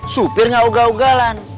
supir gak ugalan